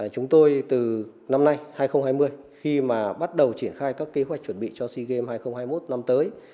chúng tôi từ năm nay hai nghìn hai mươi khi mà bắt đầu triển khai các kế hoạch chuẩn bị cho sea games hai nghìn hai mươi một năm tới